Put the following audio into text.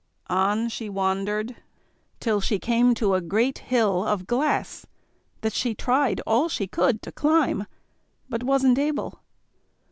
On she wandered, till she came to a great hill of glass, that she tried all she could to climb, but wasn't able.